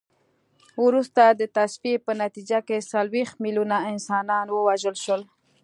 وروسته د تصفیې په نتیجه کې څلوېښت میلیونه انسانان ووژل شول.